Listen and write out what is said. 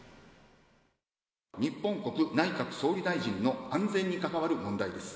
日本国内閣総理大臣の安全に関わる問題です。